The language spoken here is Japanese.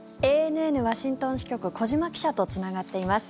ＡＮＮワシントン支局小島記者とつながっています。